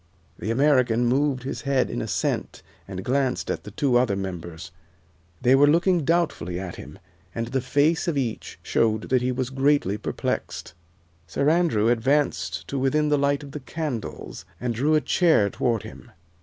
The American moved his head in assent and glanced at the two other members. They were looking doubtfully at him, and the face of each showed that he was greatly perplexed. Sir Andrew advanced to within the light of the candles and drew a chair toward him.